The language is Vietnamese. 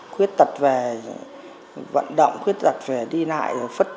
khuyết tật về vận động khuyết tật về đi lại